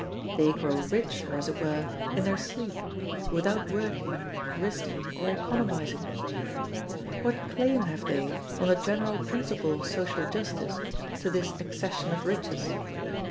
They grow richer, as it were, in their sleep, without working, risking, or economizing. What claim have they, on the general principle of social justice, to this accession of riches?